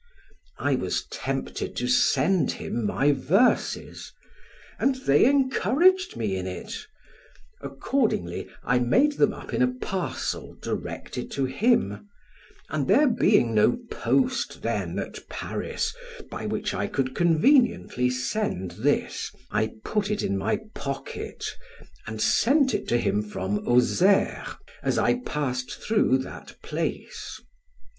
I was tempted to send him my verses, and they encouraged me in it; accordingly I made them up in a parcel directed to him, and there being no post then at Paris by which I could conveniently send this, I put it in my pocket, and sent it to him from Auxerre, as I passed through that place.